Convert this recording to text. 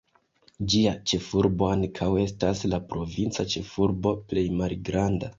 Ĝia ĉefurbo ankaŭ estas la provinca ĉefurbo plej malgranda.